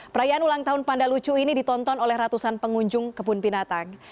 perayaan ulang tahun panda lucu ini ditonton oleh ratusan pengunjung kebun binatang